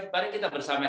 mari kita bersama